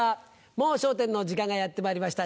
『もう笑点』の時間がやってまいりました。